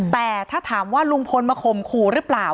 แต่ถ้าถามว่าลุงพลมาข่มขู่หรือเปล่า